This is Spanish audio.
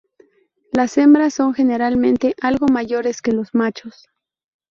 Las hembras son generalmente algo mayores que los machos.